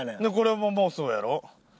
でこれももうそうやろ？